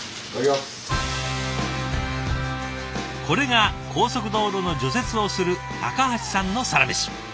これが高速道路の除雪をする高橋さんのサラメシ。